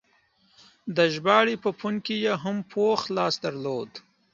د ژباړې په فن کې یې هم پوخ لاس درلود.